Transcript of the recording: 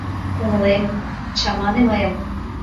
Кумылем, чамане мыйым!»